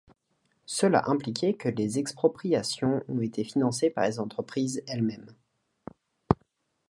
Cela impliquait que les expropriations ont été financées par les entreprises elles-mêmes.